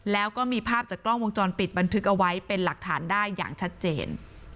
แล้วก็มีภาพจากกล้องวงจรปิดบันทึกเอาไว้เป็นหลักฐานได้อย่างชัดเจน